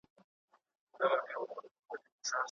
موږ به وژای سو .